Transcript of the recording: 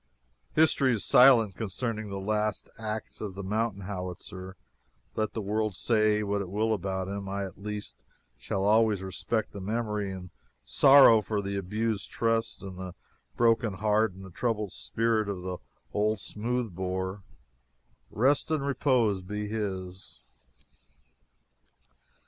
History is silent concerning the last acts of the mountain howitzer. Let the world say what it will about him, I, at least, shall always respect the memory and sorrow for the abused trust and the broken heart and the troubled spirit of the old smooth bore. Rest and repose be his!